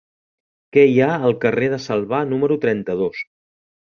Què hi ha al carrer de Salvà número trenta-dos?